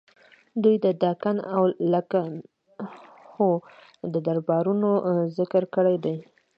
دوی د دکن او لکنهو د دربارونو ذکر کړی دی.